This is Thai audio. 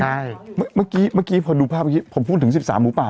ใช่เมื่อกี้เมื่อกี้พอดูภาพเมื่อกี้ผมพูดถึงสิบสามหมูป่า